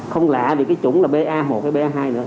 không lạ gì cái chủng là ba một hay ba hai nữa